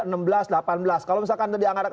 kalau misalkan tadi anggaran empat belas